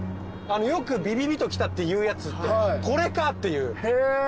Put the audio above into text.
よくビビビときたっていうやつってこれかっていう。